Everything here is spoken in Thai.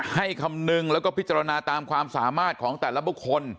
คำนึงแล้วก็พิจารณาตามความสามารถของแต่ละบุคคล